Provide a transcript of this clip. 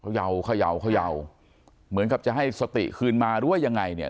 ยาวเขย่าเขย่าเหมือนกับจะให้สติคืนมาหรือว่ายังไงเนี่ย